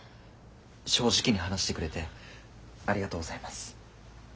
正直に話してくれてありがとうございます。